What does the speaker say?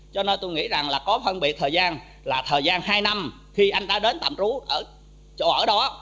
cho nên tôi nghĩ rằng là có phân biệt thời gian là thời gian hai năm khi anh đã đến tạm chú ở đó